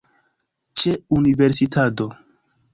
Ĉe universitado